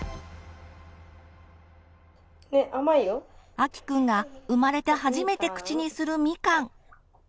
あきくんが生まれて初めて口にするみかん。